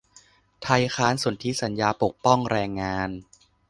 ไทยค้านสนธิสัญญาปกป้องแรงงาน